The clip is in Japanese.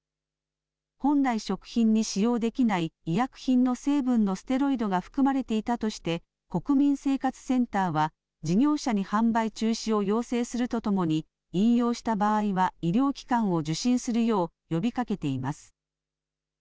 本来、食品に使用できない医薬品の成分のステロイドが含まれていたとして国民生活センターは事業者に販売中止を要請するとともに飲用した場合は医療機関を受診するよう呼びかけています。